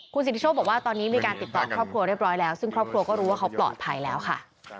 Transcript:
สิทธิโชคบอกว่าตอนนี้มีการติดต่อครอบครัวเรียบร้อยแล้วซึ่งครอบครัวก็รู้ว่าเขาปลอดภัยแล้วค่ะ